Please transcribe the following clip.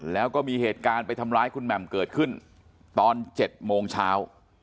แล้วก็มีเหตุการณ์ไปทำร้ายคุณแหม่มเกิดขึ้นตอน๗โมงเช้า